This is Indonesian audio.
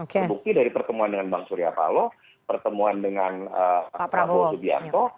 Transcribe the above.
terbukti dari pertemuan dengan bang surya paloh pertemuan dengan pak prabowo subianto